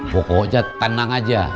pokoknya tenang aja